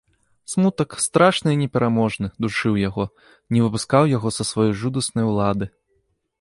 Смутак, страшны і непераможны, душыў яго, не выпускаў яго са сваёй жудаснай улады.